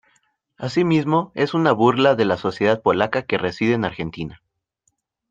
Asimismo, es una burla de la sociedad polaca que reside en Argentina.